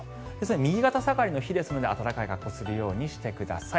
右肩下がりの日ですので暖かい格好をするようにしてください。